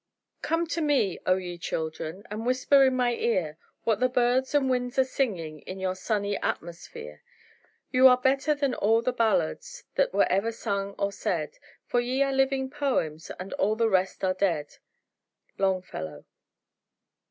"Come to me, O, ye children! And whisper in my ear What the birds and winds are singing In your sunny atmosphere. Ye are better than all the ballads That were ever sung or said; For ye are living poems And all the rest are dead." Longfellow.